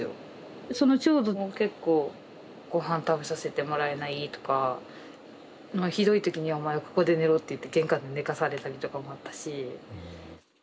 その長女も結構ごはん食べさせてもらえないとかひどい時にはお前ここで寝ろって言って玄関で寝かされたりとかもあったし。